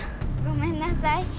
ごめんなさい。